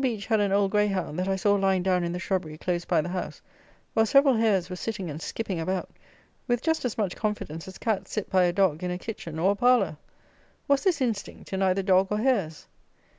Beech had an old greyhound, that I saw lying down in the shrubbery close by the house, while several hares were sitting and skipping about, with just as much confidence as cats sit by a dog in a kitchen or a parlour. Was this instinct in either dog or hares?